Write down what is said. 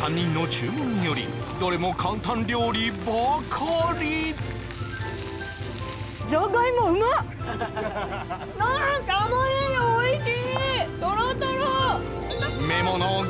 ３人の注文によりどれも簡単料理ばかりトロトロ！